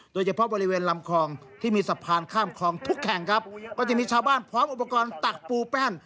โดยเฉพาะบริเวณลำคลองที่มีสะพานข้ามคลองทุกแห่งครับก็จะมีชาวบ้านพร้อมอุปกรณ์ตักปูแป้น